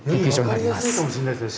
より分かりやすいかもしれないですね